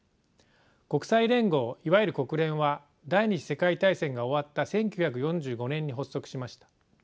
国際連合いわゆる国連は第２次世界大戦が終わった１９４５年に発足しました。